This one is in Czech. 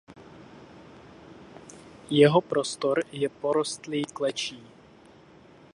Jeho prostor je porostlý klečí.